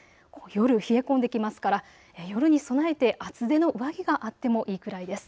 夜、冷え込んできますから夜に備えて厚手の上着があってもいいくらいです。